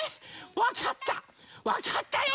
わかったわかったよ。